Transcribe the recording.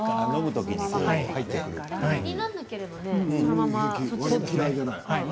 気にならなければそのまま。